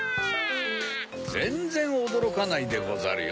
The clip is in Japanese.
ぜんぜんおどろかないでござるよ。